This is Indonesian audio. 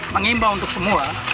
mengimbang untuk semua